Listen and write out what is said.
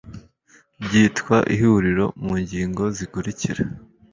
ryitwa Ihuriro mu ngingo zikurikira